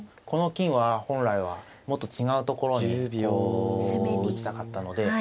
この金は本来はもっと違うところに打ちたかったので。